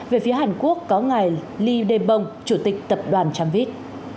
về phía hàn quốc có ngài ly đê bông chủ tịch tập đoàn tramvit